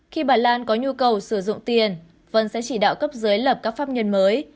khi bà lan có nhu cầu sử dụng tiền vân sẽ chỉ đạo cấp dưới lập các pháp nhân mới